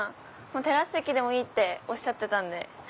テラス席でもいいっておっしゃってたんで。